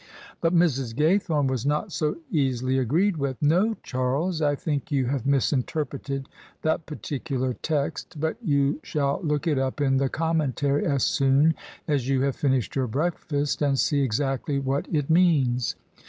But Mrs. Gaythome was not so easily agreed with. " No, Charles: I think you have misinterpreted that particular text: but you shall look it up in the Commentary as soon as you have finished your breakfast, and see exactly what it means.